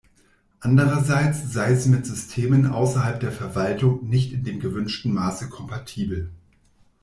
Andererseits sei sie mit Systemen außerhalb der Verwaltung nicht in dem gewünschten Maße kompatibel.